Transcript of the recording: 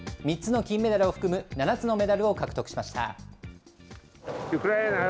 ３つの金メダルを含む７つのメダルを獲得しました。